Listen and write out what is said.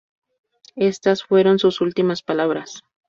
Estas fueron sus últimas palabras.